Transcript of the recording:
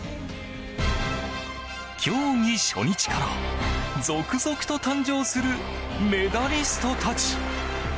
競技初日から続々と誕生するメダリストたち。